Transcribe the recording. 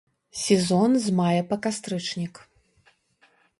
Сезон з мая па кастрычнік.